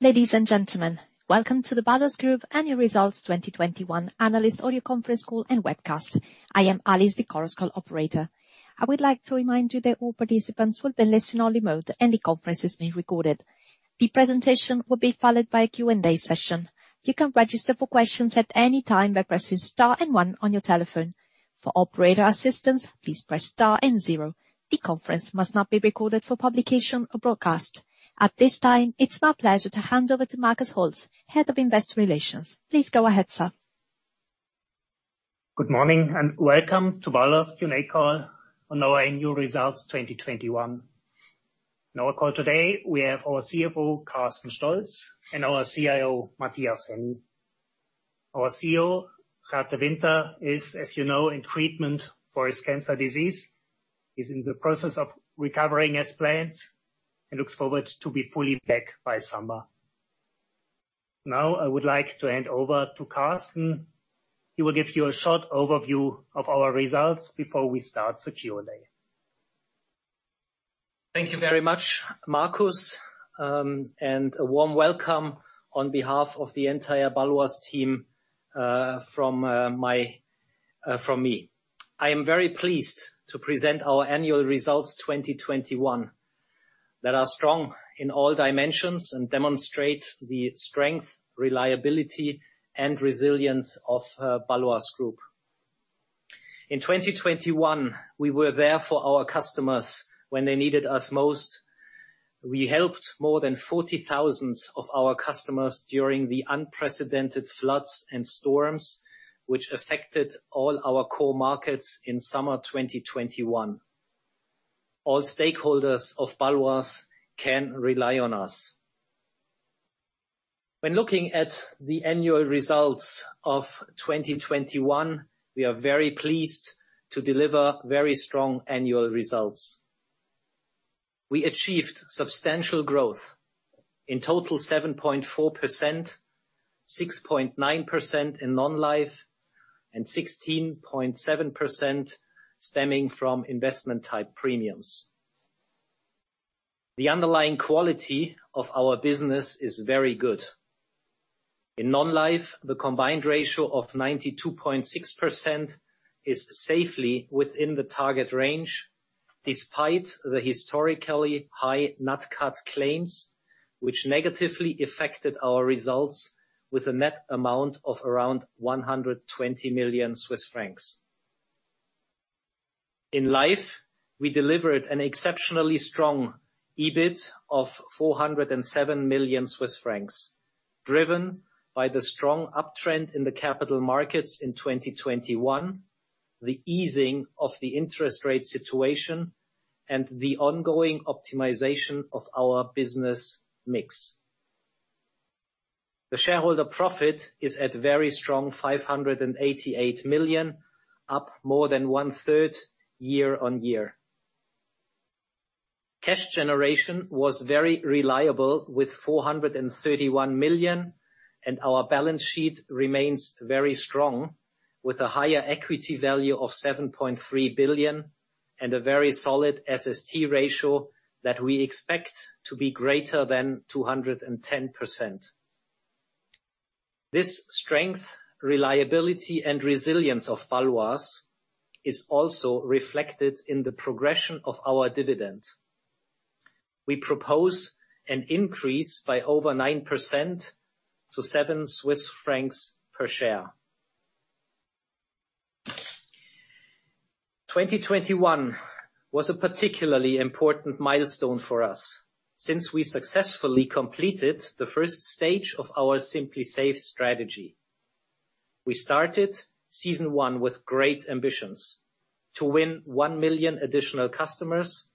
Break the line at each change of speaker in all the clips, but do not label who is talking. Ladies and gentlemen, welcome to the Baloise Group Annual Results 2021 analyst conference call and webcast. I am Alice, the conference call operator. I would like to remind you that all participants will be in listening only mode, and the conference is being recorded. The presentation will be followed by a Q&A session. You can register for questions at any time by pressing star and one on your telephone. For operator assistance, please press star and zero. The conference must not be recorded for publication or broadcast. At this time, it's my pleasure to hand over to Markus Holtz, Head of Investor Relations. Please go ahead, sir.
Good morning, and welcome to Baloise Q&A call on our annual results 2021. In our call today, we have our CFO, Carsten Stolz, and our CIO, Matthias Henny. Our CEO, Gert De Winter, is, as you know, in treatment for his cancer disease. He's in the process of recovering as planned and looks forward to be fully back by summer. Now I would like to hand over to Carsten, he will give you a short overview of our results before we start the Q&A.
Thank you very much, Markus, and a warm welcome on behalf of the entire Baloise team, from me. I am very pleased to present our annual results 2021 that are strong in all dimensions and demonstrate the strength, reliability, and resilience of Baloise Group. In 2021, we were there for our customers when they needed us most. We helped more than 40,000 of our customers during the unprecedented floods and storms, which affected all our core markets in summer 2021. All stakeholders of Baloise can rely on us. When looking at the annual results of 2021, we are very pleased to deliver very strong annual results. We achieved substantial growth, in total 7.4%, 6.9% in non-life, and 16.7% stemming from investment-type premiums. The underlying quality of our business is very good. In non-life, the combined ratio of 92.6% is safely within the target range, despite the historically high NatCat claims, which negatively affected our results with a net amount of around 120 million Swiss francs. In Life, we delivered an exceptionally strong EBIT of 407 million Swiss francs, driven by the strong uptrend in the capital markets in 2021, the easing of the interest rate situation, and the ongoing optimization of our business mix. The shareholder profit is at very strong 588 million, up more than one-third year on year. Cash generation was very reliable with 431 million, and our balance sheet remains very strong, with a higher equity value of 7.3 billion and a very solid SST ratio that we expect to be greater than 210%. This strength, reliability, and resilience of Baloise is also reflected in the progression of our dividend. We propose an increase by over 9% to 7 Swiss francs per share. 2021 was a particularly important milestone for us since we successfully completed the first stage of our Simply Safe strategy. We started Season 1 with great ambitions to win one million additional customers,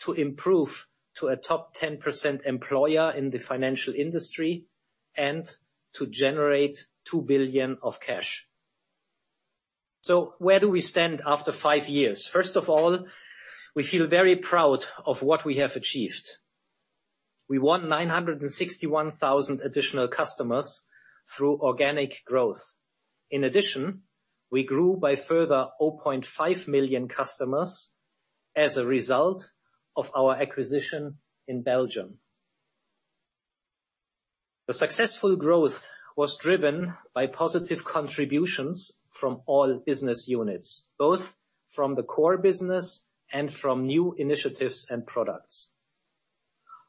to improve to a top 10% employer in the financial industry, and to generate 2 billion of cash. Where do we stand after five years? First of all, we feel very proud of what we have achieved. We won 961,000 additional customers through organic growth. In addition, we grew by further 0.5 million customers as a result of our acquisition in Belgium. The successful growth was driven by positive contributions from all business units, both from the core business and from new initiatives and products.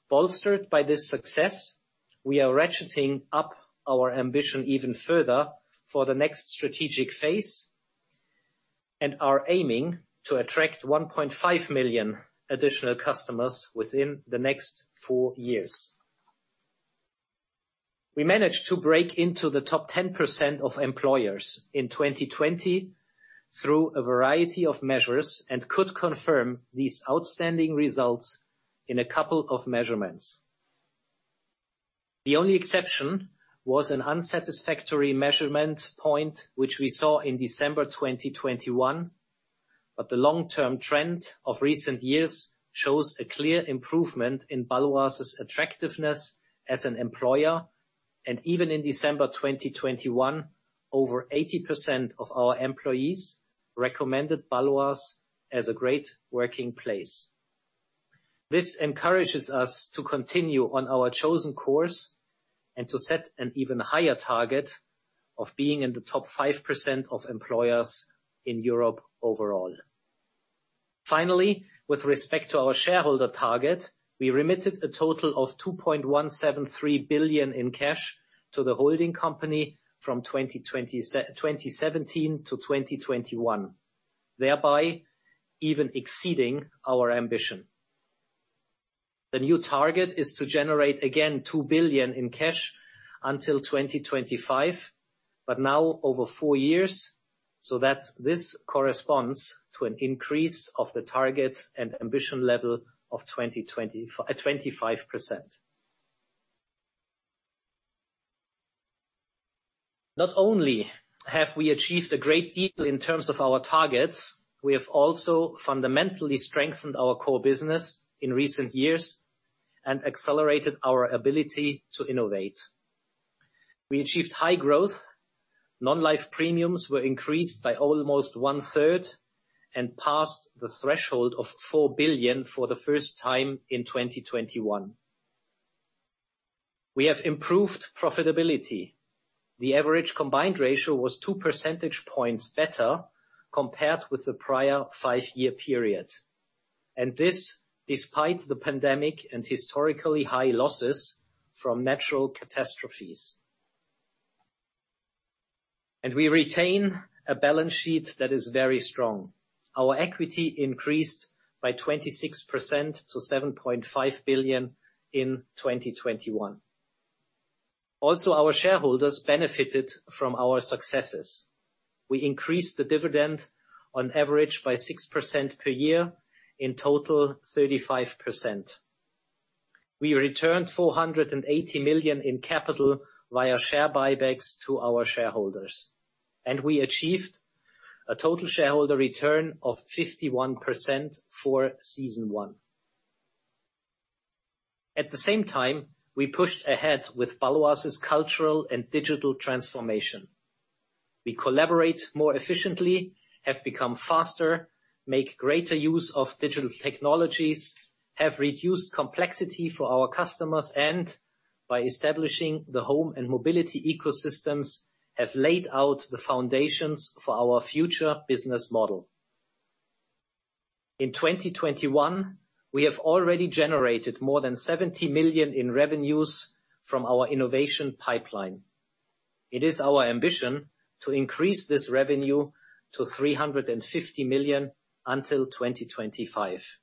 Bolstered by this success, we are ratcheting up our ambition even further for the next strategic phase and are aiming to attract 1.5 million additional customers within the next four years. We managed to break into the top 10% of employers in 2020 through a variety of measures and could confirm these outstanding results in a couple of measurements. The only exception was an unsatisfactory measurement point, which we saw in December 2021, but the long-term trend of recent years shows a clear improvement in Baloise's attractiveness as an employer. Even in December 2021, over 80% of our employees recommended Baloise as a great working place. This encourages us to continue on our chosen course and to set an even higher target of being in the top 5% of employers in Europe overall. Finally, with respect to our shareholder target, we remitted a total of 2.173 billion in cash to the holding company from 2017 to 2021, thereby even exceeding our ambition. The new target is to generate again 2 billion in cash until 2025, but now over four years, so that this corresponds to an increase of the target and ambition level of 25%. Not only have we achieved a great deal in terms of our targets, we have also fundamentally strengthened our core business in recent years and accelerated our ability to innovate. We achieved high growth. Non-life premiums were increased by almost one-third and passed the threshold of 4 billion for the first time in 2021. We have improved profitability. The average combined ratio was 2% points better compared with the prior five-year period, and this despite the pandemic and historically high losses from natural catastrophes. We retain a balance sheet that is very strong. Our equity increased by 26% to 7.5 billion in 2021. Also, our shareholders benefited from our successes. We increased the dividend on average by 6% per year, in total 35%. We returned 480 million in capital via share buybacks to our shareholders, and we achieved a total shareholder return of 51% for Season 1. At the same time, we pushed ahead with Baloise's cultural and digital transformation. We collaborate more efficiently, have become faster, make greater use of digital technologies, have reduced complexity for our customers, and by establishing the home and mobility ecosystems, have laid out the foundations for our future business model. In 2021, we have already generated more than 70 million in revenues from our innovation pipeline. It is our ambition to increase this revenue to 350 million until 2025.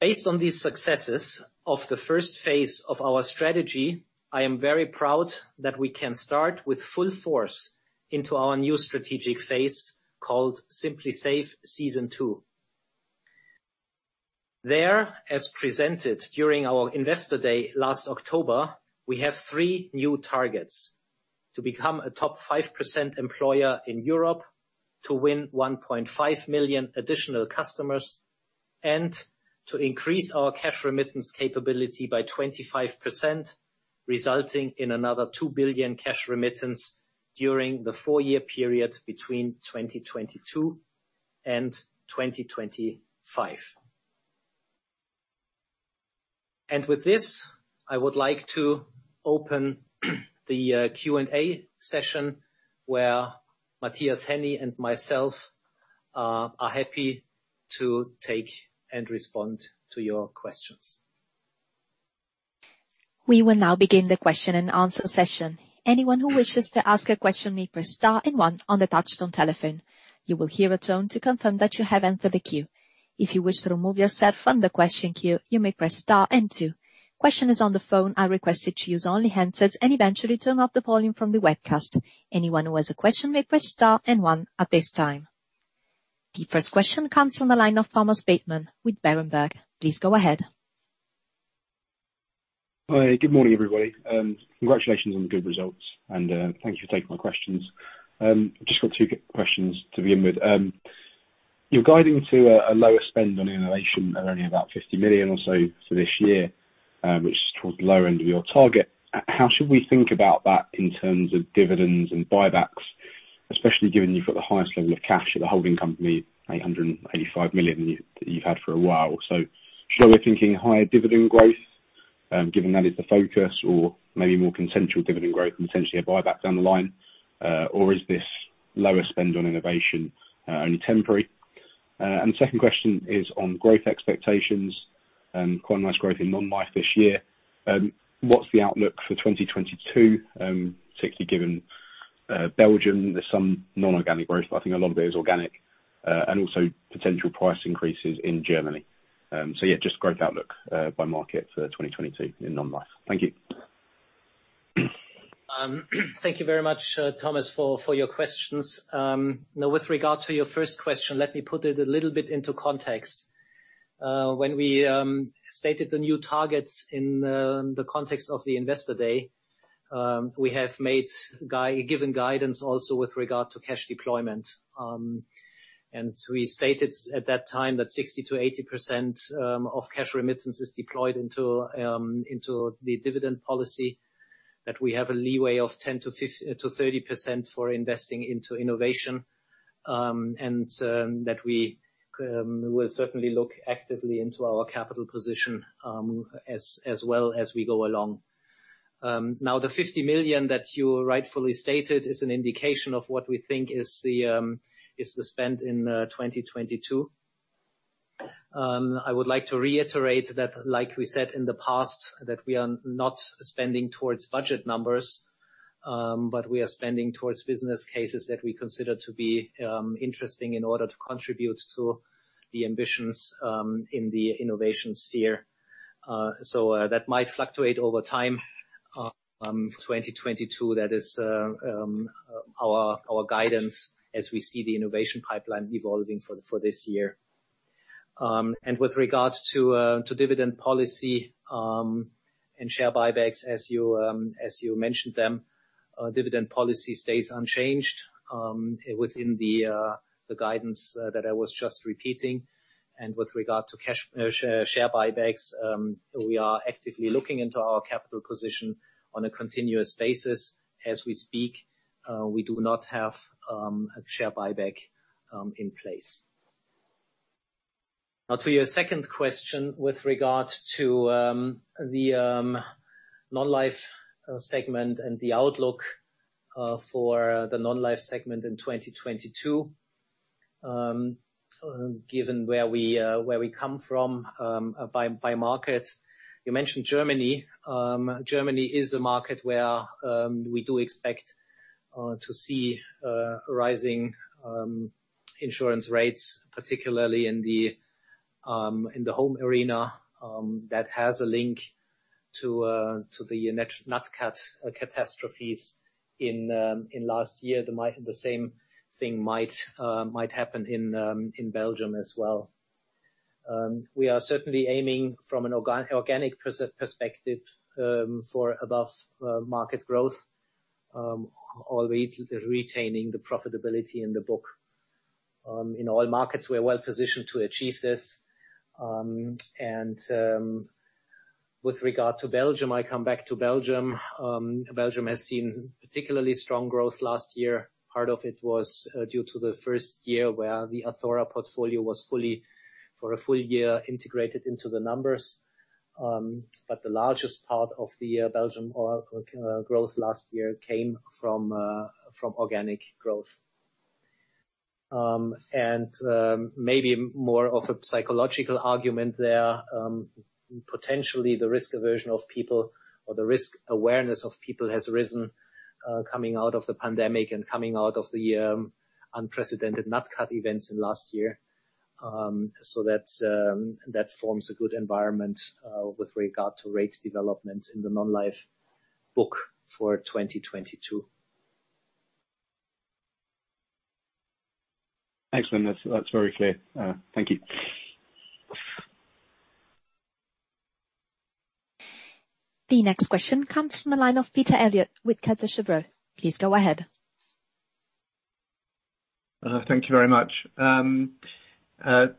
Based on these successes of the first phase of our strategy, I am very proud that we can start with full force into our new strategic phase called Simply Safe: Season 2. There, as presented during our investor day last October, we have three new targets. To become a top 5% employer in Europe, to win 1.5 million additional customers, and to increase our cash remittance capability by 25%, resulting in another 2 billion cash remittance during the four-year period between 2022 and 2025. With this, I would like to open the Q&A session where Matthias Henny and myself are happy to take and respond to your questions.
We will now begin the question-and-answer session. Anyone who wishes to ask a question may press star and one on the touchtone telephone. You will hear a tone to confirm that you have entered the queue. If you wish to remove yourself from the question queue, you may press star and two. Questioners on the phone are requested to use only handsets and eventually turn up the volume from the webcast. Anyone who has a question may press star and one at this time. The first question comes from the line of Thomas Bateman with Berenberg. Please go ahead.
Hi, good morning, everybody, and congratulations on the good results and thank you for taking my questions. Just got two questions to begin with. You're guiding to a lower spend on innovation at only about 50 million or so for this year, which is towards the lower end of your target. How should we think about that in terms of dividends and buybacks, especially given you've got the highest level of cash at the holding company, 885 million, than you've had for a while? Should we be thinking higher dividend growth, given that is the focus or maybe more conservative dividend growth and potentially a buyback down the line? Or is this lower spend on innovation only temporary? The second question is on growth expectations. Quite a nice growth in non-life this year. What's the outlook for 2022, particularly given Belgium, there's some non-organic growth, but I think a lot of it is organic, and also potential price increases in Germany. Yeah, just growth outlook by market for 2022 in non-life. Thank you.
Thank you very much, Thomas, for your questions. Now with regard to your first question, let me put it a little bit into context. When we stated the new targets in the context of the investor day, we have given guidance also with regard to cash deployment. We stated at that time that 60%-80% of cash remittance is deployed into the dividend policy, that we have a leeway of 10%-30% for investing into innovation, and that we will certainly look actively into our capital position, as well as we go along. Now the 50 million that you rightfully stated is an indication of what we think is the spend in 2022. I would like to reiterate that like we said in the past, that we are not spending towards budget numbers, but we are spending towards business cases that we consider to be interesting in order to contribute to the ambitions in the innovation sphere. That might fluctuate over time. 2022, that is, our guidance as we see the innovation pipeline evolving for this year. With regards to dividend policy and share buybacks, as you mentioned them, dividend policy stays unchanged within the guidance that I was just repeating. With regard to cash share buybacks, we are actively looking into our capital position on a continuous basis as we speak. We do not have a share buyback in place. Now to your second question, with regard to the non-life segment and the outlook for the non-life segment in 2022, given where we come from by market. You mentioned Germany. Germany is a market where we do expect to see rising insurance rates, particularly in the home arena, that has a link to the next NatCat catastrophes in last year. The same thing might happen in Belgium as well. We are certainly aiming from an organic perspective for above market growth while retaining the profitability in the book. In all markets we're well positioned to achieve this. With regard to Belgium, I come back to Belgium. Belgium has seen particularly strong growth last year. Part of it was due to the first year where the Athora portfolio was fully integrated for a full year into the numbers. The largest part of the Belgian growth last year came from organic growth. Maybe more of a psychological argument there. Potentially the risk aversion of people or the risk awareness of people has risen, coming out of the pandemic and coming out of the unprecedented NatCat events last year. That forms a good environment with regard to rate development in the non-life book for 2022.
Excellent. That's very clear. Thank you.
The next question comes from the line of Peter Eliot with Credit Suisse. Please go ahead.
Thank you very much.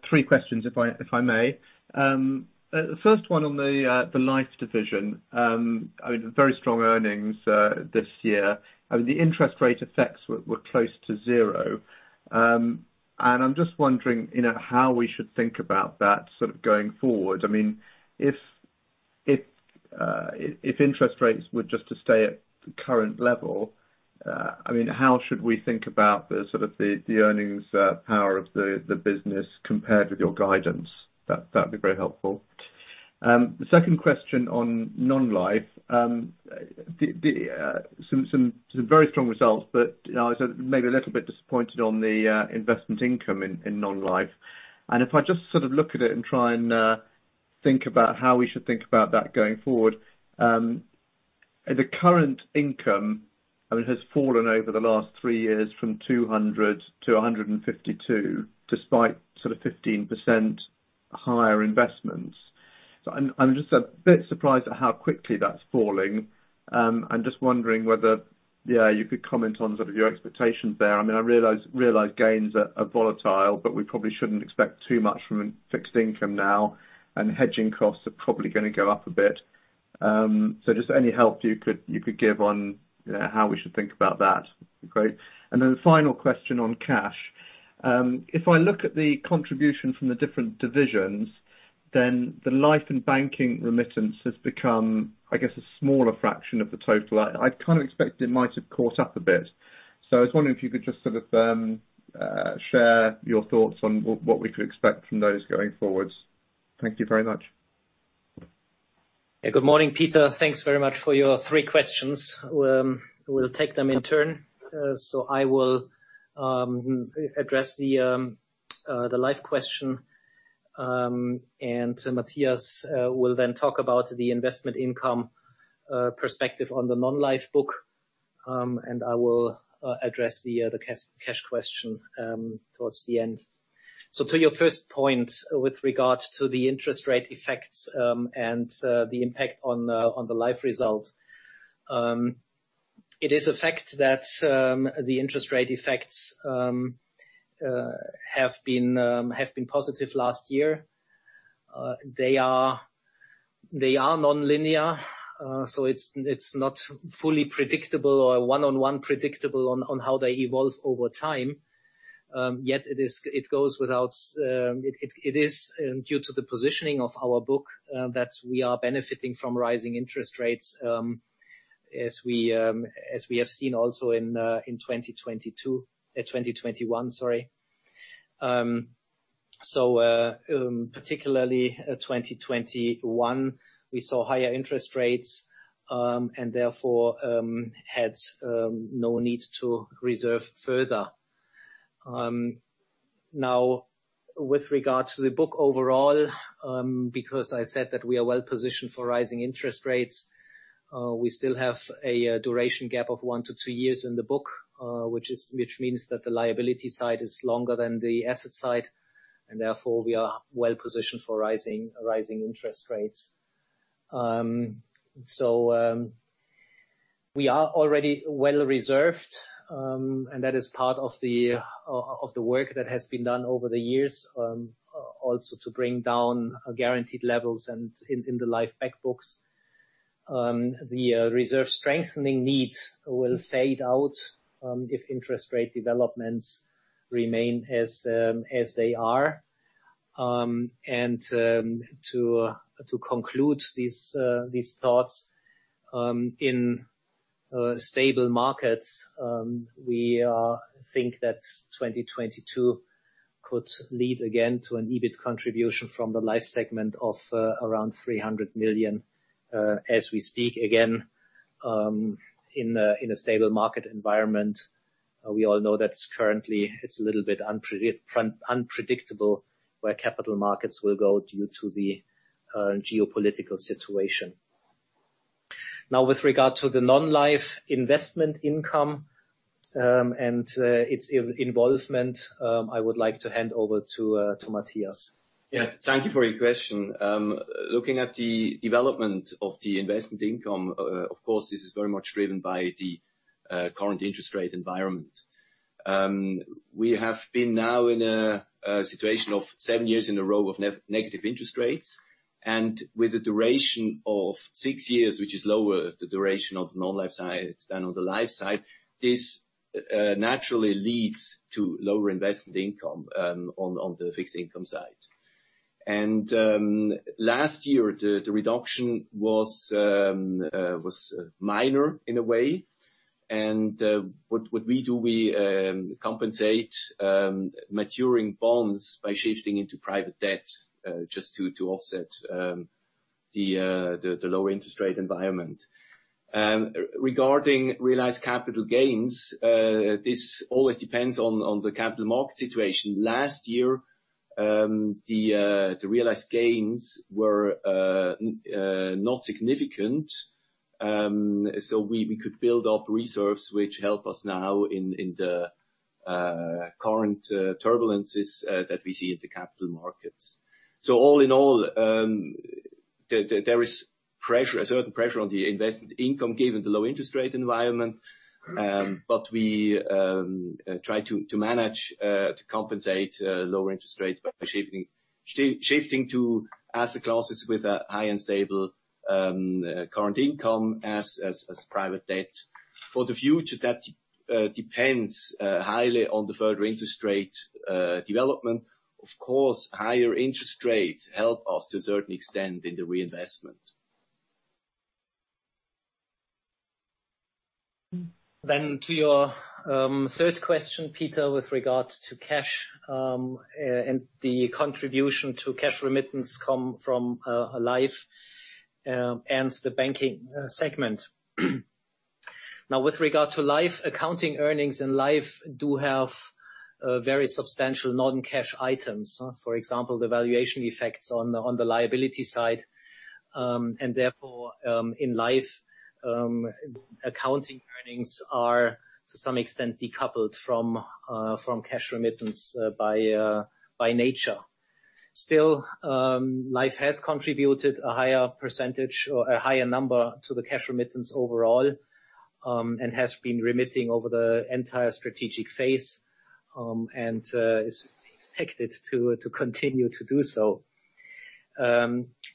Three questions if I may. The first one on the life division. I mean, very strong earnings this year. I mean, the interest rate effects were close to zero. I'm just wondering, you know, how we should think about that sort of going forward. I mean, if interest rates were just to stay at current level, I mean, how should we think about the sort of the earnings power of the business compared with your guidance? That'd be very helpful. The second question on non-life. Some very strong results, but I was maybe a little bit disappointed on the investment income in non-life. If I just sort of look at it and try and think about how we should think about that going forward. The current income, I mean, has fallen over the last three years from 200 to 152, despite sort of 15% higher investments. I'm just a bit surprised at how quickly that's falling. I'm just wondering whether, yeah, you could comment on sort of your expectations there. I mean, I realize gains are volatile, but we probably shouldn't expect too much from fixed income now, and hedging costs are probably gonna go up a bit. So just any help you could give on, you know, how we should think about that would be great. The final question on cash. If I look at the contribution from the different divisions, the life and banking remittance has become, I guess, a smaller fraction of the total. I kind of expected it might have caught up a bit, so I was wondering if you could just sort of share your thoughts on what we could expect from those going forward. Thank you very much.
Good morning, Peter. Thanks very much for your three questions. We'll take them in turn. I will address the life question, and Matthias will then talk about the investment income perspective on the non-life book. I will address the cash question towards the end. To your first point with regards to the interest rate effects and the impact on the life result. It is a fact that the interest rate effects have been positive last year. They are nonlinear, so it's not fully predictable or one-on-one predictable on how they evolve over time. It goes without. It is due to the positioning of our book that we are benefiting from rising interest rates, as we have seen also in 2022, 2021, sorry. Particularly 2021, we saw higher interest rates, and therefore had no need to reserve further. Now with regard to the book overall, because I said that we are well-positioned for rising interest rates, we still have a duration gap of 1-2 years in the book, which means that the liability side is longer than the asset side, and therefore we are well-positioned for rising interest rates. We are already well reserved, and that is part of the work that has been done over the years, also to bring down guaranteed levels and in the life back books. The reserve strengthening needs will fade out, if interest rate developments remain as they are. To conclude these thoughts, in stable markets, we think that 2022 could lead again to an EBIT contribution from the life segment of around 300 million, as we speak again, in a stable market environment. We all know that currently it's a little bit unpredictable where capital markets will go due to the geopolitical situation. Now, with regard to the non-life investment income and its involvement, I would like to hand over to Matthias.
Yes. Thank you for your question. Looking at the development of the investment income, of course, this is very much driven by the current interest rate environment. We have been now in a situation of seven years in a row of negative interest rates, and with a duration of six years, which is lower, the duration of the non-life side than on the life side, this naturally leads to lower investment income on the fixed income side. Last year, the reduction was minor in a way, and what we do, we compensate maturing bonds by shifting into private debt just to offset the lower interest rate environment. Regarding realized capital gains, this always depends on the capital market situation. Last year, the realized gains were not significant, so we could build up reserves which help us now in the current turbulences that we see at the capital markets. All in all, there is pressure, a certain pressure on the investment income given the low interest rate environment, but we try to manage to compensate lower interest rates by shifting to asset classes with a high and stable current income as private debt. For the future, that depends highly on the further interest rate development. Of course, higher interest rates help us to a certain extent in the reinvestment.
To your third question, Peter, with regard to cash, and the contribution to cash remittance come from Life, and the banking segment. Now, with regard to Life, accounting earnings in Life do have very substantial non-cash items. For example, the valuation effects on the liability side. Therefore, in Life, accounting earnings are, to some extent, decoupled from cash remittance, by nature. Still, Life has contributed a higher percentage or a higher number to the cash remittance overall, and has been remitting over the entire strategic phase, and is expected to continue to do so.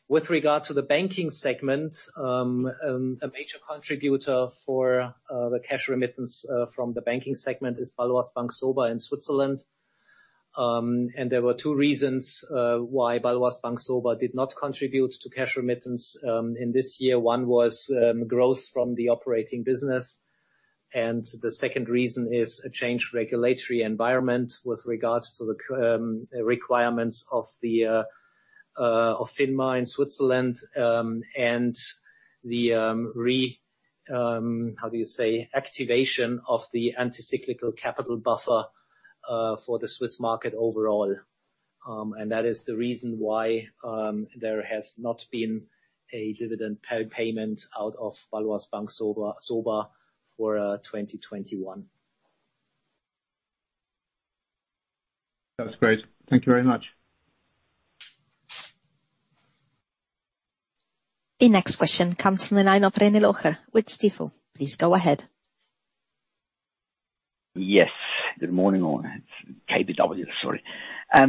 With regard to the banking segment, a major contributor for the cash remittance from the banking segment is Baloise Bank SoBa in Switzerland. There were two reasons why Baloise Bank SoBa did not contribute to cash remittance in this year. One was growth from the operating business, and the second reason is a changed regulatory environment with regards to the current requirements of FINMA in Switzerland, and the reactivation of the countercyclical capital buffer for the Swiss market overall. That is the reason why there has not been a dividend payment out of Baloise Bank SoBa for 2021.
That's great. Thank you very much.
The next question comes from the line of René Locher with Stifel. Please go ahead.
Good morning all. It's KBW, sorry. I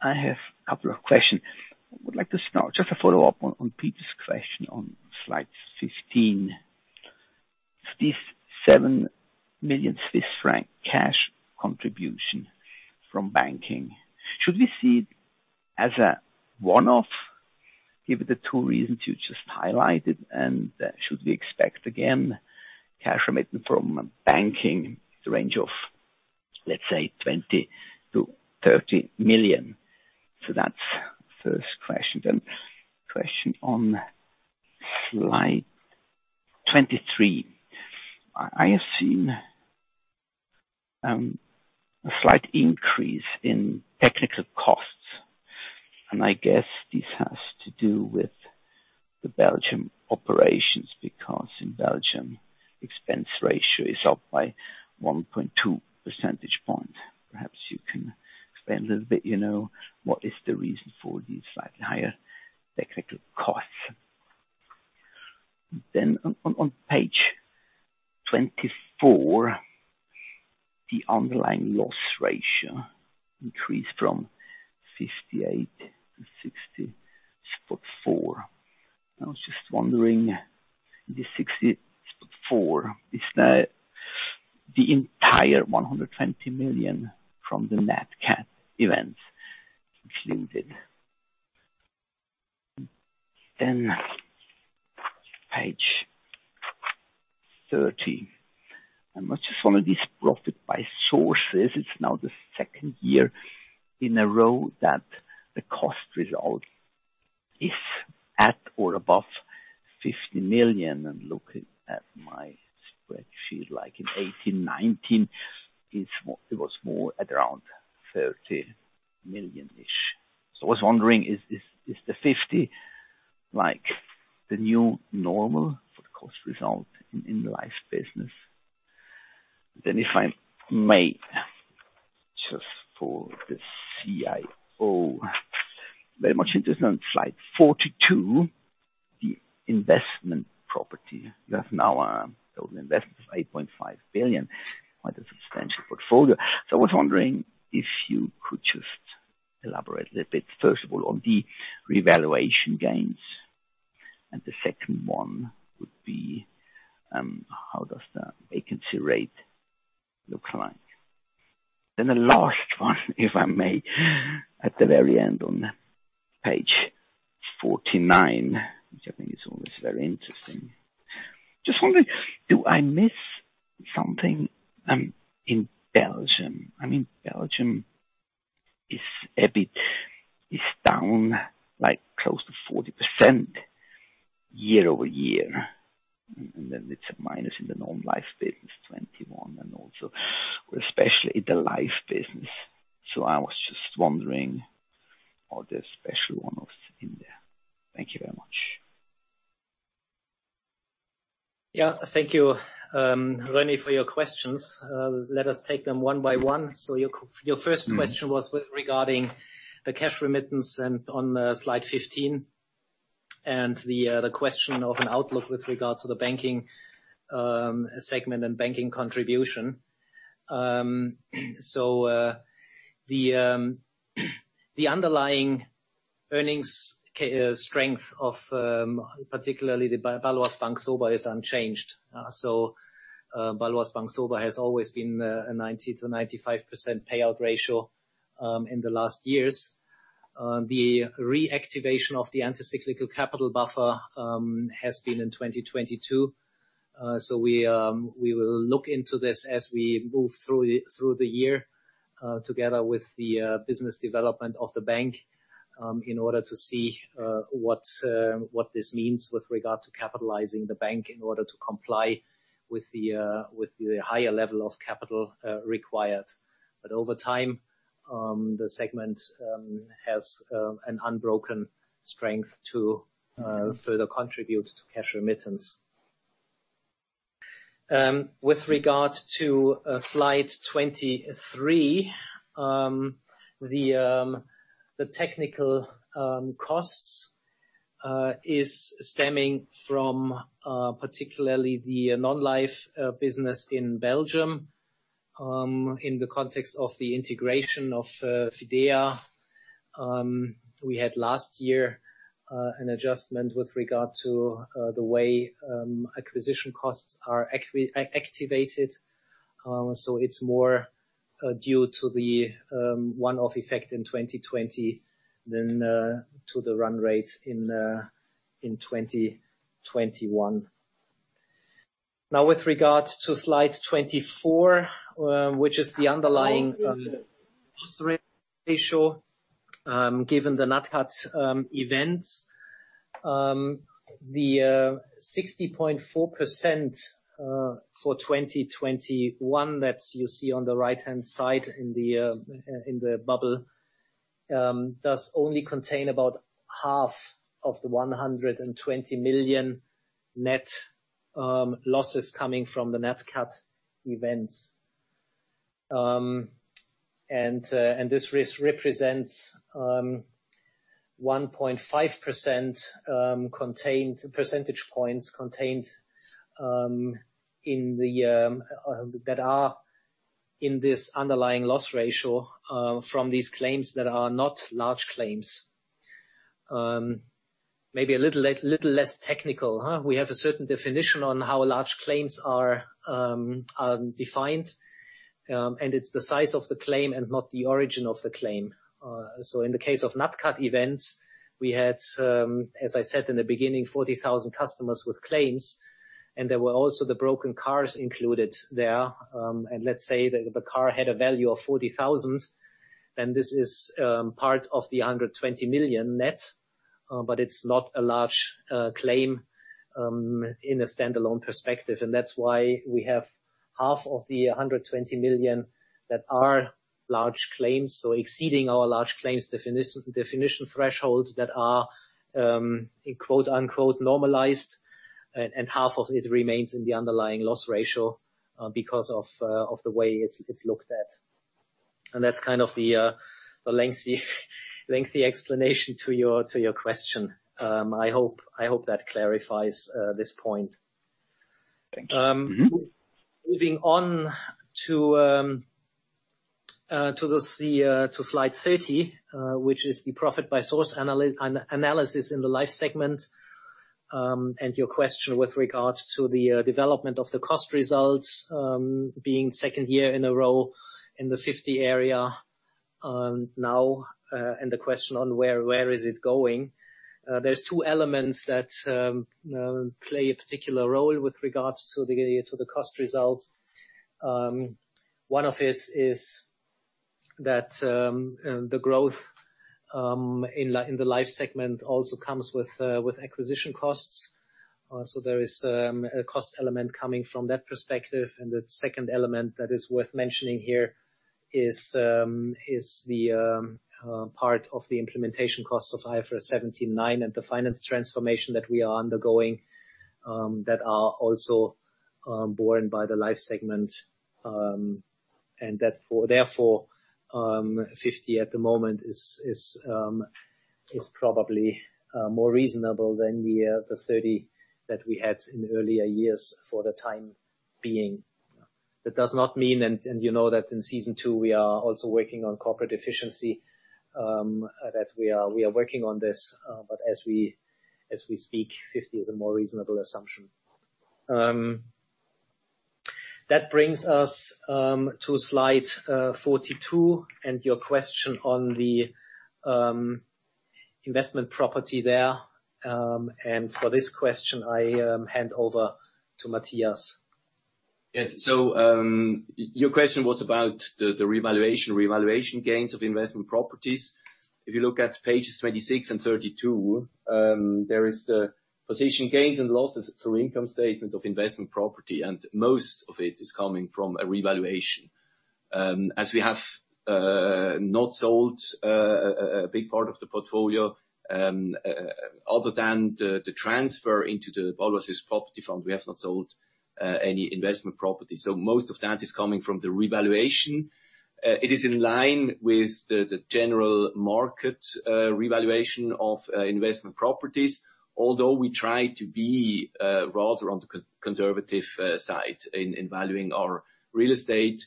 have a couple of questions. I would like to start with a follow-up on Peter's question on slide 16. This CHF 7 million cash contribution from banking, should we see it as a one-off, given the two reasons you just highlighted? Should we expect cash remittance from banking in the range of, let's say, 20 million-30 million? That's the first question. Question on slide 23. I have seen a slight increase in technical costs, and I guess this has to do with the Belgium operations, because in Belgium expense ratio is up by 1.2% point. Perhaps you can explain a little bit, you know, what is the reason for these slightly higher technical costs? On page 24, the underlying loss ratio increased from 68 to 60.4. I was just wondering, the 60.4, is that the entire 120 million from the NatCat event included? Page 30. I'm noting one of these profits by sources. It's now the second year in a row that the cost result is at or above 50 million. I'm looking at my spreadsheet, like in 2018, 2019, it was more at around 30 million-ish. So I was wondering, is the 50 like the new normal for the cost result in life business? If I may, just for the CIO, very much interested on slide 42, the investment property. You have now total investments of 8.5 billion, quite a substantial portfolio. I was wondering if you could just elaborate a little bit, first of all, on the revaluation gains, and the second one would be, how does the vacancy rate look like? Then the last one, if I may, at the very end on page 49, which I think is always very interesting. Just wondering, do I miss something in Belgium? I mean Belgium, its EBIT is down like close to 40% year-over-year, and then it's a minus in the non-life business -21%, and also especially the life business. I was just wondering are there special one-offs in there. Thank you very much.
Yeah. Thank you, René, for your questions. Let us take them one by one. Your first question was with regard to the cash remittance and on slide 15, and the question of an outlook with regard to the banking segment and banking contribution. The underlying earnings strength of, particularly the Baloise Bank SoBa, is unchanged. Baloise Bank SoBa has always been a 90%-95% payout ratio in the last years. The reactivation of the countercyclical capital buffer has been in 2022. We will look into this as we move through the year together with the business development of the bank in order to see what this means with regard to capitalizing the bank in order to comply with the higher level of capital required. Over time the segment has an unbroken strength to further contribute to cash remittance. With regard to slide 23 the technical costs is stemming from particularly the non-life business in Belgium in the context of the integration of Fidea. We had last year an adjustment with regard to the way acquisition costs are activated. It's more due to the one-off effect in 2020 than to the run rate in 2021. Now, with regards to slide 24, which is the underlying ratio, given the NatCat events, the 60.4% for 2021 that you see on the right-hand side in the bubble does only contain about half of the 120 million net losses coming from the NatCat events. This represents 1.5% points contained in this underlying loss ratio from these claims that are not large claims. Maybe a little less technical, huh? We have a certain definition on how large claims are defined, and it's the size of the claim and not the origin of the claim. In the case of NatCat events, we had, as I said in the beginning, 40,000 customers with claims, and there were also the broken cars included there. Let's say the car had a value of 40,000, then this is part of the 120 million net, but it's not a large claim in a standalone perspective. That's why we have half of the 120 million that are large claims, so exceeding our large claims definition thresholds that are quote-unquote normalized, and half of it remains in the underlying loss ratio because of the way it's looked at. That's kind of the lengthy explanation to your question. I hope that clarifies this point.
Thank you. Mm-hmm.
Moving on to slide 30, which is the profit by source analysis in the Life segment. Your question with regards to the development of the cost results, being second year in a row in the 50 area, now, and the question on where is it going? There's two elements that play a particular role with regards to the cost results. One of it is that the growth in the Life segment also comes with acquisition costs. There is a cost element coming from that perspective. The second element that is worth mentioning here is the part of the implementation costs of IFRS 17/9 and the finance transformation that we are undergoing that are also borne by the life segment. That, therefore, 50 at the moment is probably more reasonable than the 30 that we had in earlier years for the time being. That does not mean and you know that in Season 2 we are also working on corporate efficiency that we are working on this. As we speak, 50 is a more reasonable assumption. That brings us to slide 42 and your question on the investment property there. For this question, I hand over to Matthias.
Yes. Your question was about the revaluation gains of investment properties. If you look at pages 26 and 32, there is the position gains and losses through income statement of investment property, and most of it is coming from a revaluation. As we have not sold a big part of the portfolio, other than the transfer into the Baloise property fund, we have not sold any investment property. Most of that is coming from the revaluation. It is in line with the general market revaluation of investment properties. Although we try to be rather on the conservative side in valuing our real estate,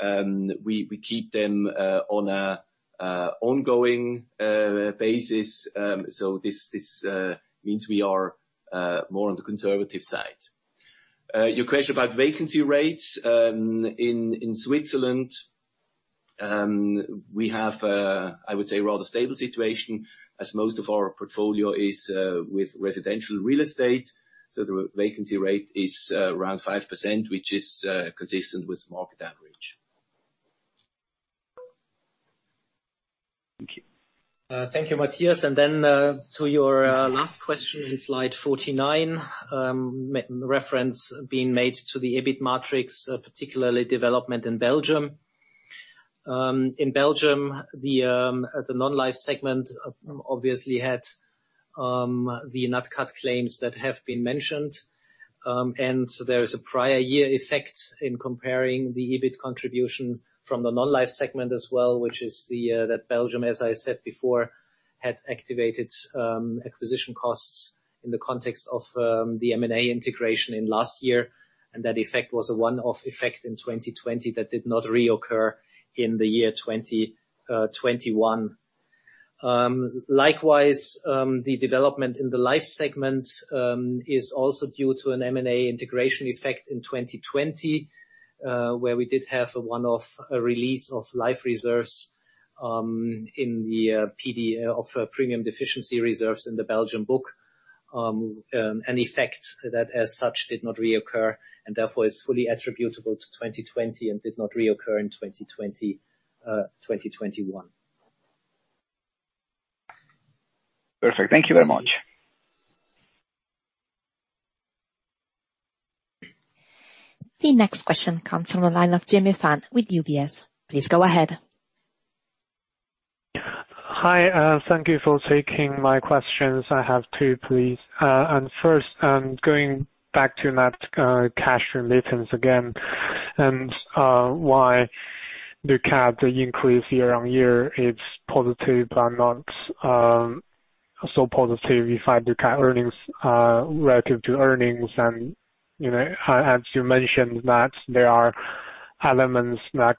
we keep them on a ongoing basis. This means we are more on the conservative side. Your question about vacancy rates in Switzerland, we have a rather stable situation as most of our portfolio is with residential real estate. The vacancy rate is around 5%, which is consistent with market average.
Thank you.
Thank you, Matthias. To your last question in slide 49, reference being made to the EBIT matrix, particularly development in Belgium. In Belgium, the non-life segment obviously had the NatCat claims that have been mentioned. There is a prior year effect in comparing the EBIT contribution from the non-life segment as well, which is that Belgium, as I said before, had activated acquisition costs in the context of the M&A integration in last year. That effect was a one-off effect in 2020 that did not reoccur in 2021. Likewise, the development in the life segment is also due to an M&A integration effect in 2020, where we did have a one-off release of life reserves in the PD of premium deficiency reserves in the Belgian book. An effect that as such did not reoccur, and therefore is fully attributable to 2020 and did not reoccur in 2021.
Perfect. Thank you very much.
The next question comes from the line of Jimmy Fan with UBS. Please go ahead.
Hi, thank you for taking my questions. I have two, please. First, going back to that cash remittance again and why the CAP, the increase year on year, it's positive, but not so positive if I look at earnings relative to earnings and, you know, as you mentioned, that there are elements that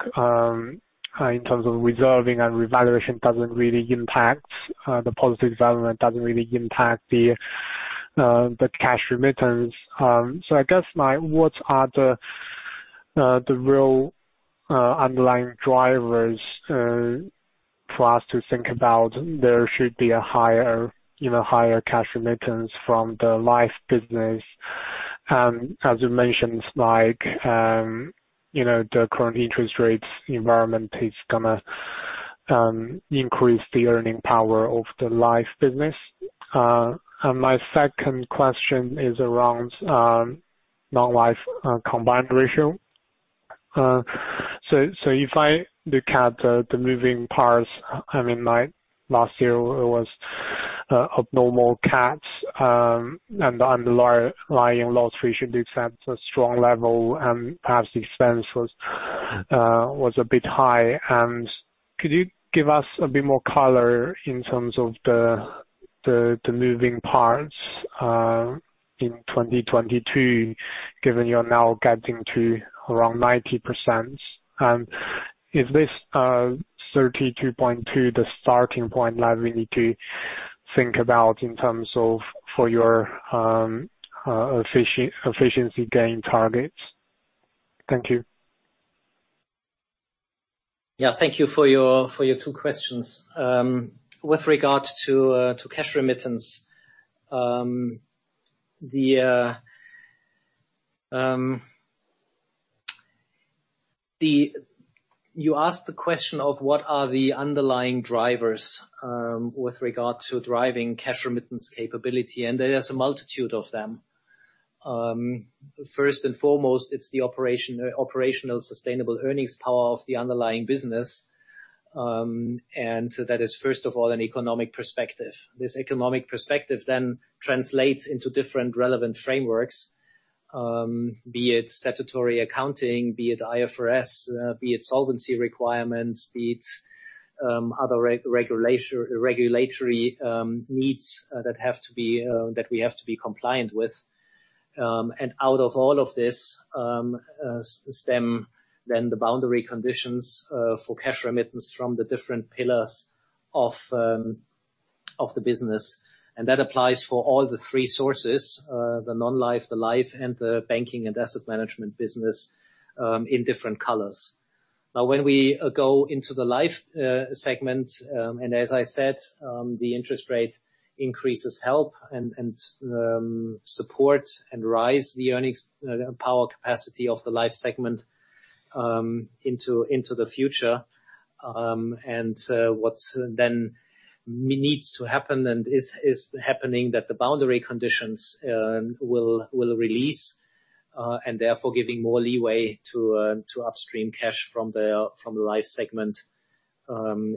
in terms of reserving and revaluation doesn't really impact the positive development, doesn't really impact the cash remittance. So I guess what are the real underlying drivers for us to think about? There should be a higher, you know, higher cash remittance from the life business. As you mentioned, like, you know, the current interest rates environment is gonna increase the earning power of the life business. My second question is around non-life combined ratio. So if I look at the moving parts, I mean, like last year was abnormal cats, and the underlying loss ratio did set a strong level, and perhaps expense was a bit high. Could you give us a bit more color in terms of the moving parts in 2022, given you're now getting to around 90%? Is this 32.2 the starting point that we need to think about in terms of for your efficiency gain targets? Thank you.
Yeah, thank you for your two questions. With regard to cash remittance, you asked the question of what are the underlying drivers with regard to driving cash remittance capability, and there is a multitude of them. First and foremost, it's the operational sustainable earnings power of the underlying business, and that is, first of all, an economic perspective. This economic perspective then translates into different relevant frameworks, be it statutory accounting, be it IFRS, be it solvency requirements, be it other regulatory needs that we have to be compliant with. Out of all of this stem then the boundary conditions for cash remittance from the different pillars of the business. That applies for all the three sources, the non-life, the life, and the banking and asset management business, in different colors. Now, when we go into the life segment, and as I said, the interest rate increases help and support and rise the earnings power capacity of the life segment into the future. What then needs to happen and is happening, that the boundary conditions will release and therefore giving more leeway to upstream cash from the life segment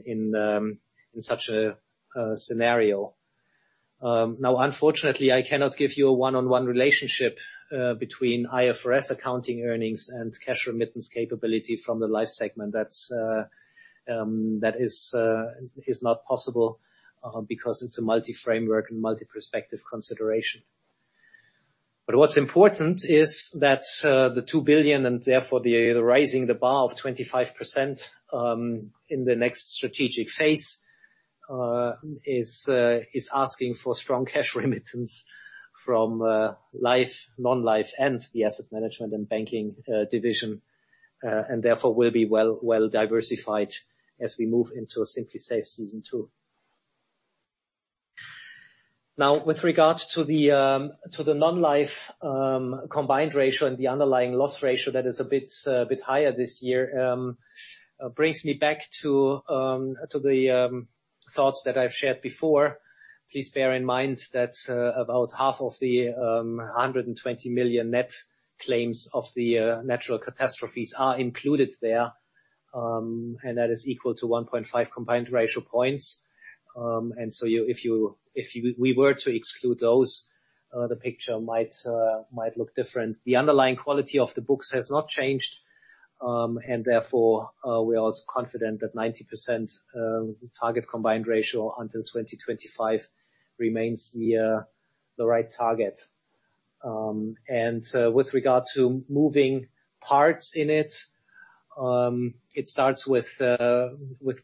in such a scenario. Now, unfortunately, I cannot give you a one-on-one relationship between IFRS accounting earnings and cash remittance capability from the life segment. That's not possible because it's a multi-framework and multi-perspective consideration. What's important is that 2 billion, and therefore the raising the bar of 25% in the next strategic phase is asking for strong cash remittance from life, non-life, and the asset management and banking division, and therefore will be well diversified as we move into Simply Safe: Season 2. Now, with regard to the non-life combined ratio and the underlying loss ratio that is a bit higher this year brings me back to the thoughts that I've shared before. Please bear in mind that about half of the 120 million net claims of the natural catastrophes are included there, and that is equal to 1.5 combined ratio points. If we were to exclude those, the picture might look different. The underlying quality of the books has not changed, and therefore we are confident that 90% target combined ratio until 2025 remains the right target. With regard to moving parts in it starts with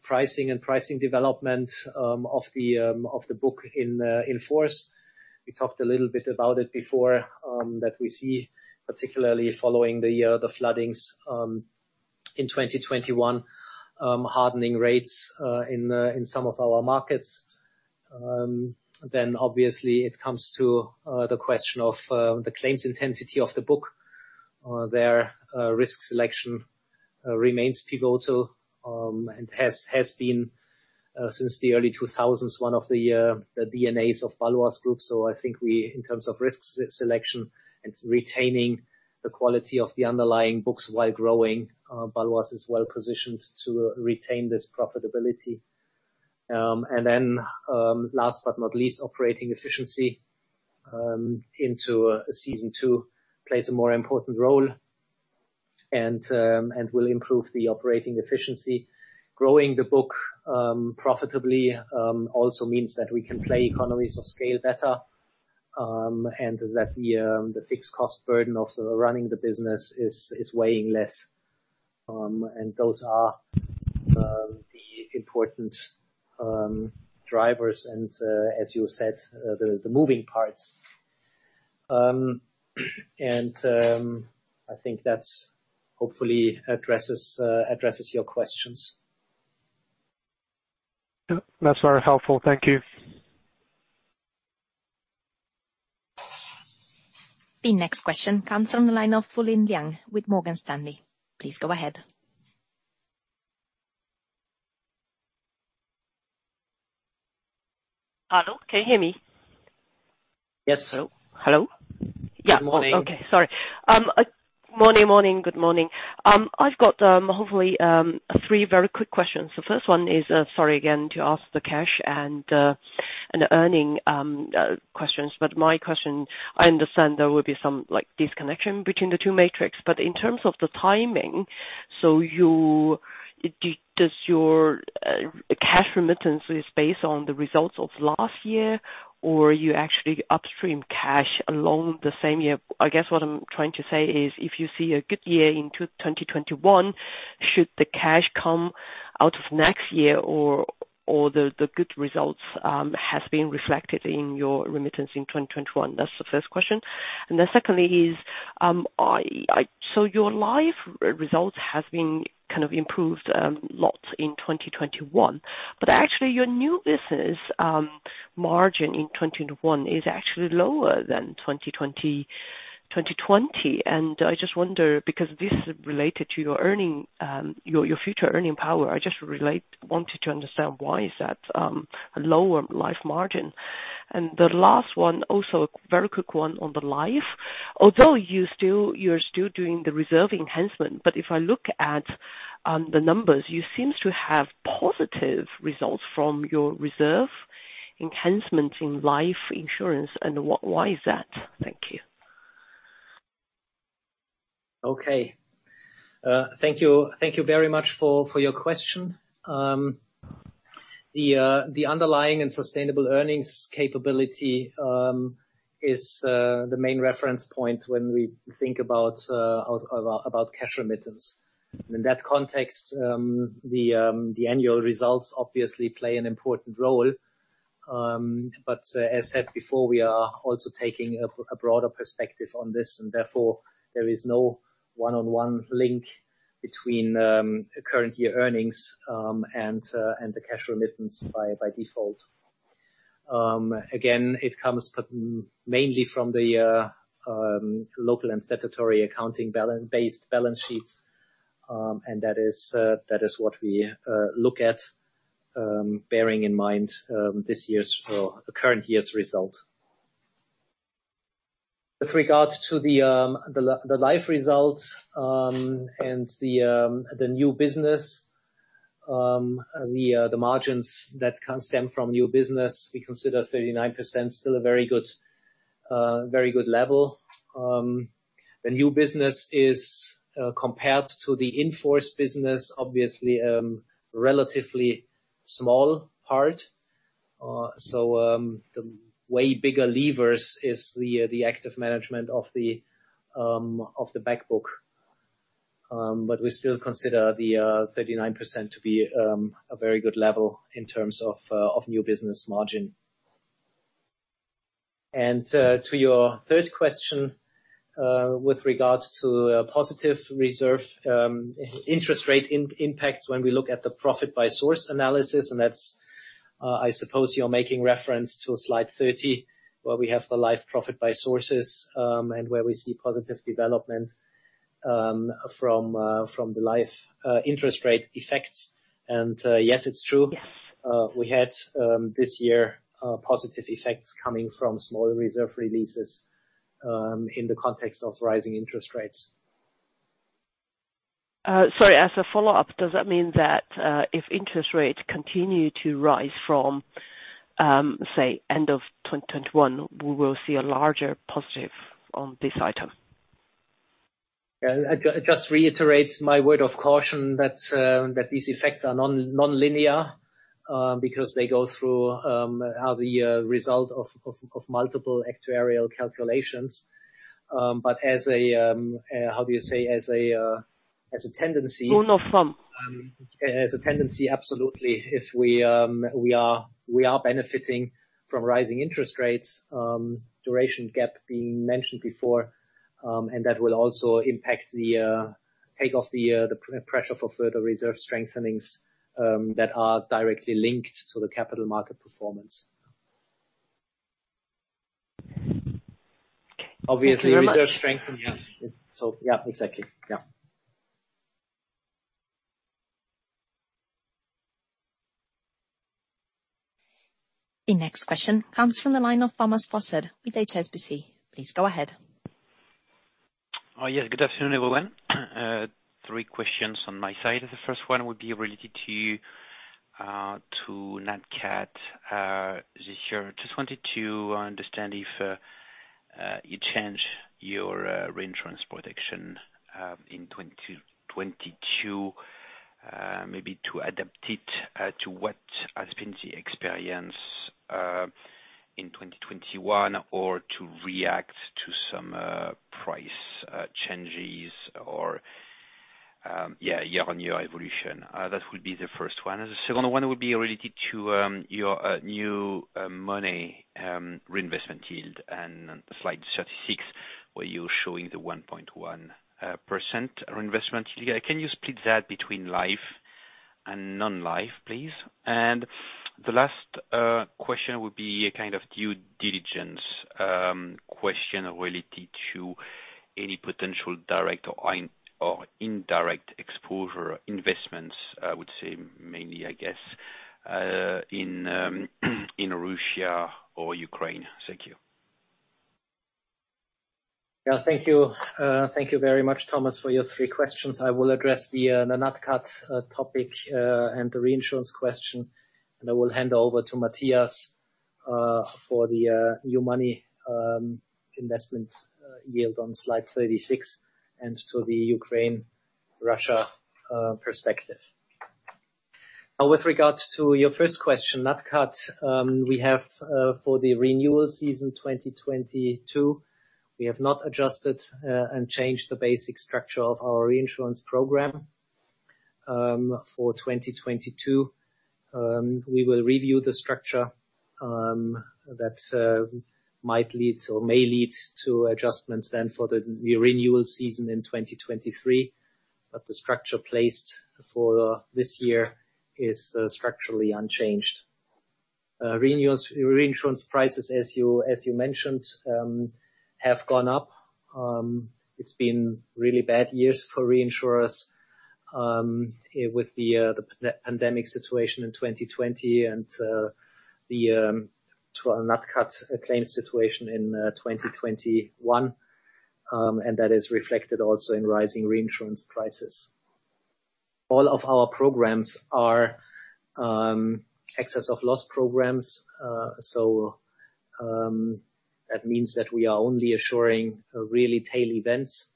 pricing and pricing development of the book in force. We talked a little bit about it before, that we see, particularly following the flooding in 2021, hardening rates in some of our markets. Obviously it comes to the question of the claims intensity of the book. Their risk selection remains pivotal and has been since the early 2000s one of the DNAs of Baloise Group. I think we, in terms of risk selection and retaining the quality of the underlying books while growing, Baloise is well-positioned to retain this profitability. Then, last but not least, operating efficiency into a Season 2 plays a more important role and will improve the operating efficiency. Growing the book profitably also means that we can play economies of scale better and that the fixed cost burden of running the business is weighing less. Those are the important drivers and, as you said, the moving parts. I think that's hopefully addresses your questions.
Yeah. That's very helpful. Thank you.
The next question comes from the line of Fulin Liang with Morgan Stanley. Please go ahead.
Hello, can you hear me?
Yes.
Hello? Yeah.
Good morning.
Good morning. I've got hopefully three very quick questions. The first one is, sorry again, to ask the cash and earnings questions. My question, I understand there will be some like disconnection between the two metrics, but in terms of the timing, so does your cash remittances based on the results of last year, or you actually upstream cash along the same year? I guess what I'm trying to say is, if you see a good year in 2021, should the cash come out of next year or the good results has been reflected in your remittance in 2021? That's the first question. Secondly is, so your life results has been kind of improved lots in 2021, but actually your new business margin in 2021 is actually lower than 2020. I just wonder, because this is related to your earning, your future earning power, I just wanted to understand why is that, a lower life margin. The last one, also a very quick one on the life. Although you're still doing the reserve enhancement, but if I look at the numbers, you seems to have positive results from your reserve enhancement in life insurance and why is that? Thank you.
Okay. Thank you very much for your question. The underlying and sustainable earnings capability is the main reference point when we think about cash remittance. In that context, the annual results obviously play an important role. But as said before, we are also taking a broader perspective on this, and therefore, there is no one-on-one link between current year earnings and the cash remittance by default. Again, it comes mainly from the local and statutory accounting balance-based balance sheets, and that is what we look at, bearing in mind this year's or the current year's result. With regards to the life results and the new business, the margins that can stem from new business, we consider 39% still a very good level. The new business is, compared to the in-force business, obviously, relatively small part. The way bigger levers is the active management of the back book. We still consider the 39% to be a very good level in terms of new business margin. To your third question, with regards to a positive reserve, interest rate impact when we look at the profit by source analysis, and that's, I suppose you're making reference to slide 30, where we have the life profit by sources, and where we see positive development, from the life interest rate effects. Yes, it's true. We had this year positive effects coming from small reserve releases, in the context of rising interest rates.
Sorry. As a follow-up, does that mean that, if interest rates continue to rise from, say, end of 2021, we will see a larger positive on this item?
Yeah. I just reiterate my word of caution that these effects are nonlinear because they are the result of multiple actuarial calculations. As a, how do you say, as a tendency.
One-off sum.
As a tendency, absolutely. If we are benefiting from rising interest rates, duration gap being mentioned before, and that will also impact the take off the pressure for further reserve strengthenings that are directly linked to the capital market performance.
Okay.
Obviously-
Thank you very much.
Reserve strengthening. Yeah. Yeah, exactly. Yeah.
The next question comes from the line of Thomas Fossard with HSBC. Please go ahead.
Yes. Good afternoon, everyone. Three questions on my side. The first one would be related to NatCat this year. Just wanted to understand if you changed your reinsurance protection in 2022 maybe to adapt it to what has been the experience in 2021 or to react to some price changes or yeah year-on-year evolution. That would be the first one. The second one would be related to your new money reinvestment yield and on slide 36 where you're showing the 1.1% reinvestment yield. Can you split that between life and non-life, please? The last question would be a kind of due diligence question related to any potential direct or indirect exposure investments, I would say mainly, I guess, in Russia or Ukraine. Thank you.
Yeah, thank you. Thank you very much, Thomas, for your three questions. I will address the NatCat topic and the reinsurance question, and I will hand over to Matthias for the new money investment yield on slide 36, and to the Ukraine-Russia perspective. With regards to your first question, NatCat, we have, for the renewal season, 2022, we have not adjusted and changed the basic structure of our reinsurance program, for 2022. We will review the structure that might lead or may lead to adjustments then for the renewal season in 2023, but the structure placed for this year is structurally unchanged. Renewals, reinsurance prices, as you mentioned, have gone up. It's been really bad years for reinsurers, with the pandemic situation in 2020 and the NatCat claims situation in 2021, and that is reflected also in rising reinsurance prices. All of our programs are excess of loss programs, so that means that we are only assuring really tail events,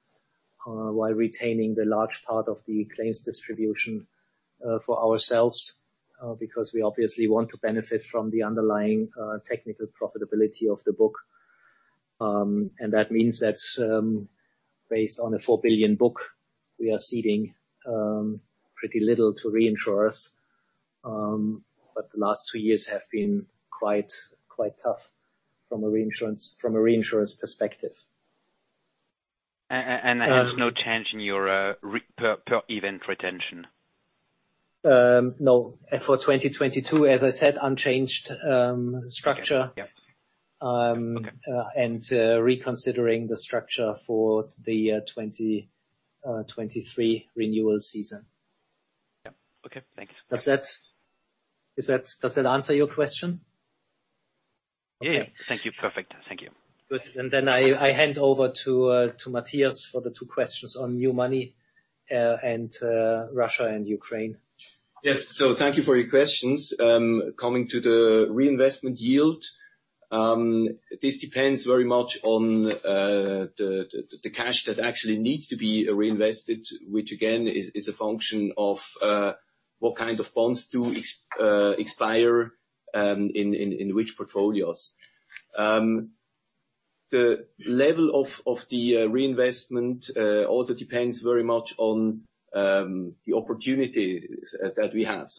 while retaining the large part of the claims distribution for ourselves, because we obviously want to benefit from the underlying technical profitability of the book. That means that, based on a 4 billion book, we are ceding pretty little to reinsurers. The last two years have been quite tough from a reinsurers' perspective.
There's no change in your per event retention?
No. For 2022, as I said, unchanged structure.
Okay. Yeah.
Um-
Okay.
Reconsidering the structure for the 2023 renewal season.
Yeah. Okay, thanks.
Does that answer your question?
Yeah.
Okay.
Thank you. Perfect. Thank you.
Good. I hand over to Matthias for the two questions on new money and Russia and Ukraine.
Yes. Thank you for your questions. Coming to the reinvestment yield, this depends very much on the cash that actually needs to be reinvested, which again is a function of what kind of bonds expire in which portfolios. The level of the reinvestment also depends very much on the opportunities that we have.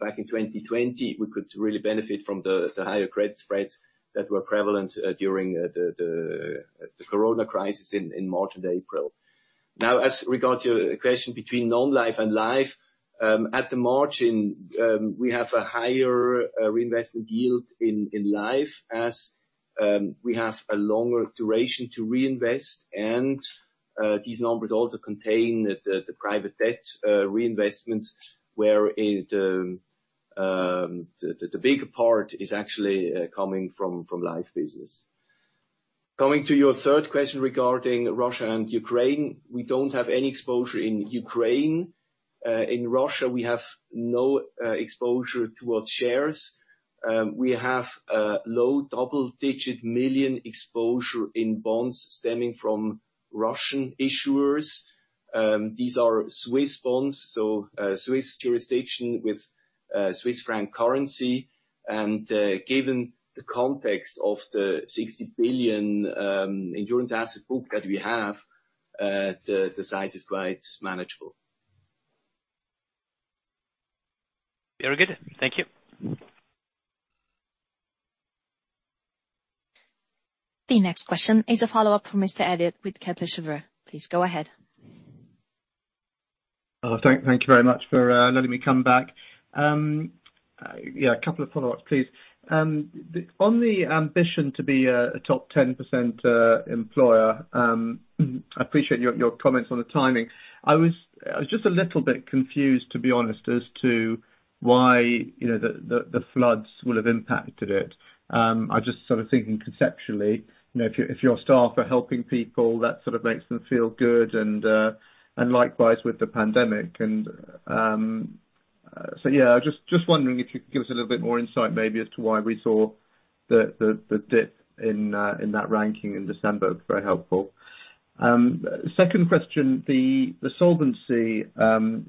Back in 2020, we could really benefit from the higher credit spreads that were prevalent during the Corona crisis in March and April. Now, as regards your question between non-life and life, at the margin, we have a higher reinvestment yield in life as we have a longer duration to reinvest. These numbers also contain the private debt reinvestment, where the big part is actually coming from life business. Coming to your third question regarding Russia and Ukraine, we don't have any exposure in Ukraine. In Russia, we have no exposure towards shares. We have a low double-digit million CHF exposure in bonds stemming from Russian issuers. These are Swiss bonds, so Swiss jurisdiction with Swiss franc currency. Given the context of the 60 billion underlying asset book that we have, the size is quite manageable.
Very good. Thank you.
The next question is a follow-up from Mr. Eliot with
Thank you very much for letting me come back. Yeah, a couple of follow-ups, please. On the ambition to be a top 10% employer, I appreciate your comments on the timing. I was just a little bit confused, to be honest, as to why, you know, the floods will have impacted it. I just sort of thinking conceptually, you know, if your staff are helping people, that sort of makes them feel good and likewise with the pandemic and so yeah. Just wondering if you could give us a little bit more insight maybe as to why we saw the dip in that ranking in December, very helpful. Second question, the solvency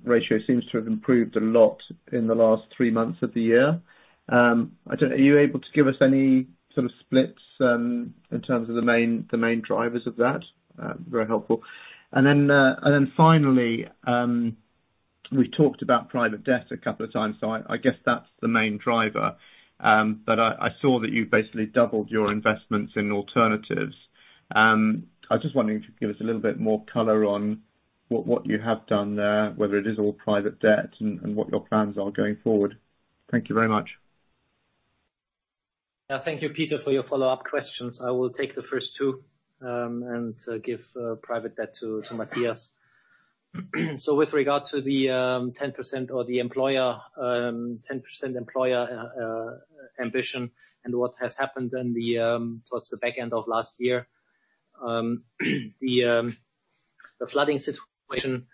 ratio seems to have improved a lot in the last three months of the year. I don't know, are you able to give us any sort of splits in terms of the main drivers of that? Very helpful. Finally, we talked about private debt a couple of times, so I guess that's the main driver. I saw that you basically doubled your investments in alternatives. I was just wondering if you could give us a little bit more color on what you have done there, whether it is all private debt and what your plans are going forward. Thank you very much.
Thank you Peter for your follow-up questions. I will take the first two and give private debt to Matthias Henny. With regard to the 10% employee ambition and what has happened towards the back end of last year, the flooding situation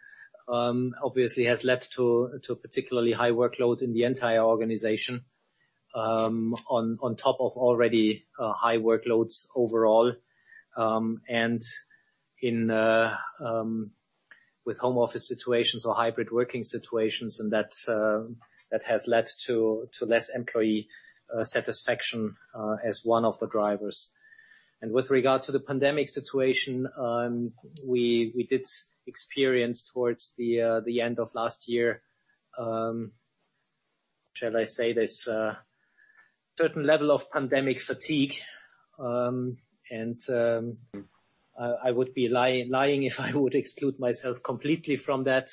obviously has led to a particularly high workload in the entire organization, on top of already high workloads overall. With home office situations or hybrid working situations, that has led to less employee satisfaction as one of the drivers. With regard to the pandemic situation, we did experience towards the end of last year, shall I say, a certain level of pandemic fatigue. I would be lying if I would exclude myself completely from that.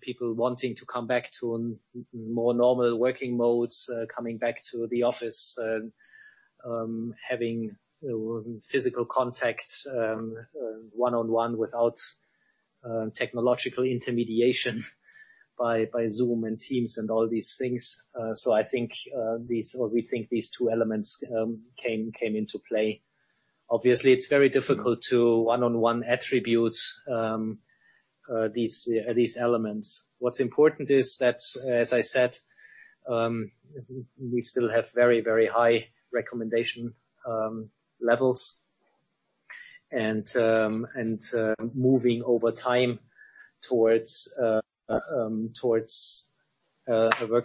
People wanting to come back to more normal working modes, coming back to the office, having physical contact, one-on-one without technological intermediation by Zoom and Teams and all these things. I think these, or we think, these two elements came into play. Obviously, it's very difficult to one-on-one attribute these elements. What's important is that, as I said, we still have very high recommendation levels. Moving over time towards a work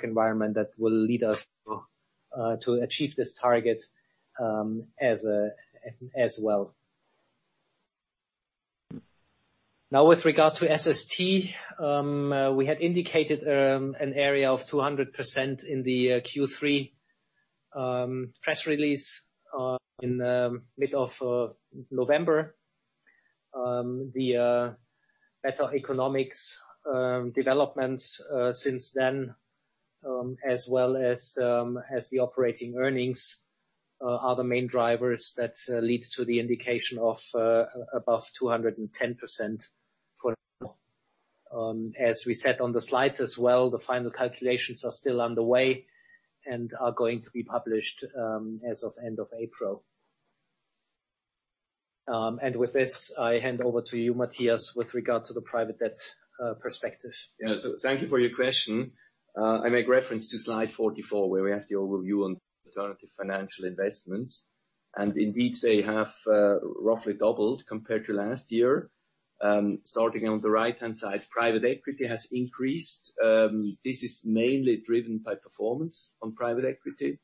environment that will lead us to achieve this target, as well. Now with regard to SST, we had indicated an area of 200% in the Q3 press release in middle of November. The better economic developments since then, as well as the operating earnings, are the main drivers that lead to the indication of above 210% for now. As we said on the slides as well, the final calculations are still underway and are going to be published as of end of April. With this, I hand over to you, Matthias, with regard to the private debt perspective.
Yeah. Thank you for your question. I make reference to slide 44, where we have the overview on alternative financial investments. Indeed, they have roughly doubled compared to last year. Starting on the right-hand side, private equity has increased. This is mainly driven by performance on private equity.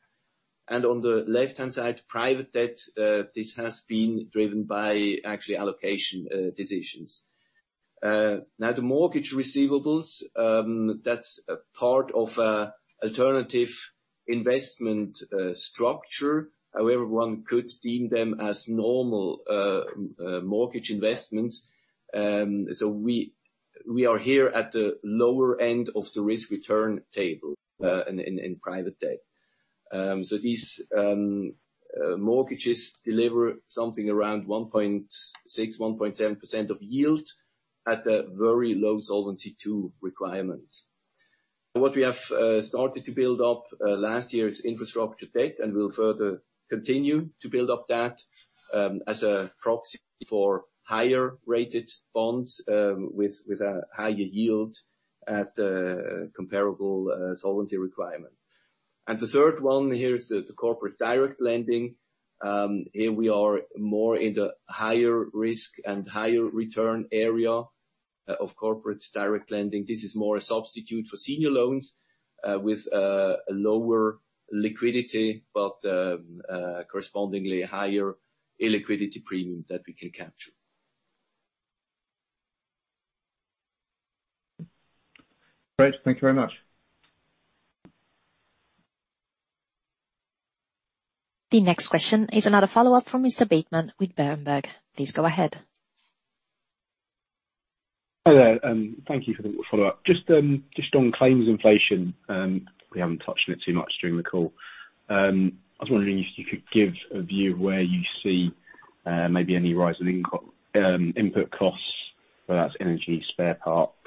On the left-hand side, private debt, this has been driven by actually allocation decisions. Now the mortgage receivables, that's a part of alternative investment structure. However, one could deem them as normal mortgage investments. We are here at the lower end of the risk-return table in private debt. These mortgages deliver something around 1.6-1.7% of yield at a very low Solvency II requirement. What we have started to build up last year is infrastructure debt, and we'll further continue to build up that as a proxy for higher-rated bonds with a higher yield at comparable solvency requirement. The third one here is the corporate direct lending. Here we are more in the higher risk and higher return area of corporate direct lending. This is more a substitute for senior loans with a lower liquidity, but correspondingly higher illiquidity premium that we can capture.
Great. Thank you very much.
The next question is another follow-up from Mr. Bateman with Berenberg. Please go ahead.
Hi there. Thank you for the follow-up. Just on claims inflation, we haven't touched on it too much during the call. I was wondering if you could give a view of where you see maybe any rise in input costs, whether that's energy, spare parts,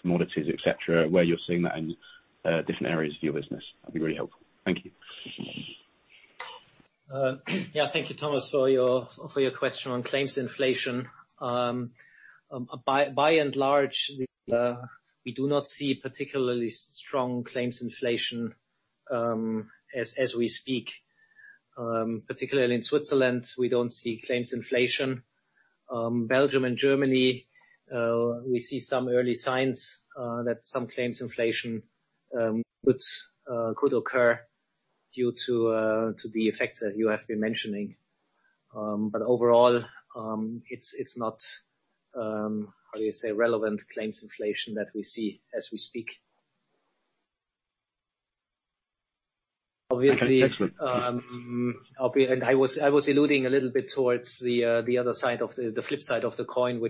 commodities, et cetera, where you're seeing that in different areas of your business. That'd be really helpful. Thank you.
Yeah, thank you, Thomas, for your question on claims inflation. By and large, we do not see particularly strong claims inflation as we speak. Particularly in Switzerland, we don't see claims inflation. Belgium and Germany, we see some early signs that some claims inflation could occur due to the effects that you have been mentioning. Overall, it's not how do you say, relevant claims inflation that we see as we speak. Obviously.
Okay. Excellent.
I was alluding a little bit towards the other side of the flip side of the coin,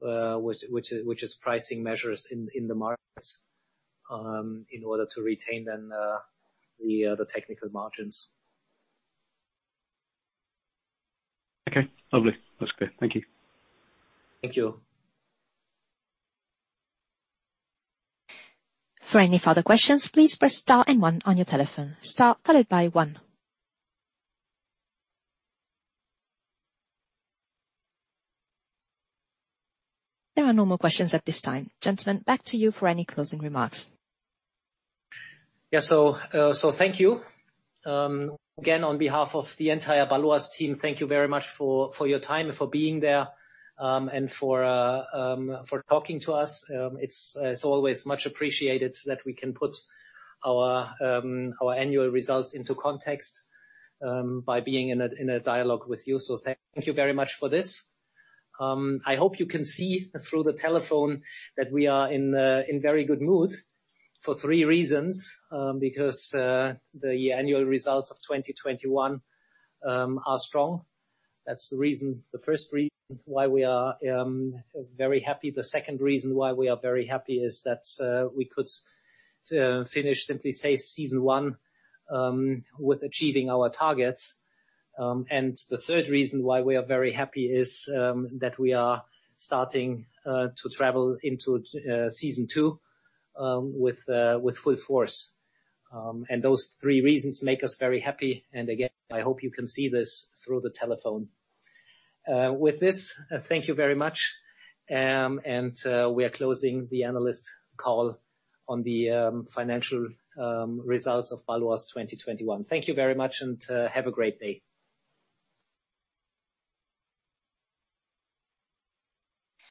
which is pricing measures in the markets in order to retain then the technical margins.
Okay, lovely. That's great. Thank you.
Thank you.
There are no more questions at this time. Gentlemen, back to you for any closing remarks.
Yeah, thank you. Again, on behalf of the entire Baloise team, thank you very much for your time and for being there, and for talking to us. It's always much appreciated that we can put our annual results into context by being in a dialogue with you. Thank you very much for this. I hope you can see through the telephone that we are in very good mood for three reasons, because the annual results of 2021 are strong. That's the reason, the first reason why we are very happy. The second reason why we are very happy is that we could finish Simply Safe: Season 1 with achieving our targets. The third reason why we are very happy is that we are starting to travel into season two with full force. Those three reasons make us very happy. Again, I hope you can see this through the telephone. With this, thank you very much. We are closing the analyst call on the financial results of Baloise 2021. Thank you very much and have a great day.